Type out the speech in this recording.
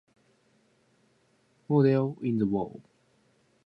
There is still a single wall and fireplace dating back to Tudor times.